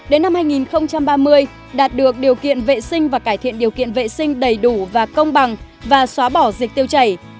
đến năm hai nghìn ba mươi đạt được điều kiện vệ sinh và cải thiện điều kiện vệ sinh đầy đủ và công bằng và xóa bỏ dịch tiêu chảy